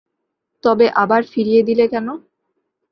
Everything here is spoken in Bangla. তবে আবার ফিরিয়ে দিলে কেন?